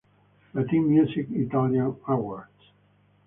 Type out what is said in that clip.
Latin Music Italian Awards